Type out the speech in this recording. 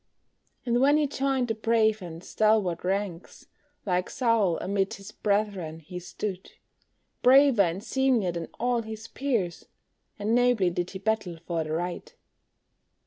And when he joined the brave and stalwart ranks, Like Saul amid his brethren he stood, Braver and seemlier than all his peers, And nobly did he battle for the right.